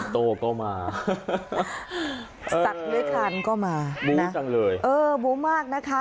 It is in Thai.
โต้ก็มาสัตว์เลื้อยคลานก็มาบูจังเลยเออบูมากนะคะ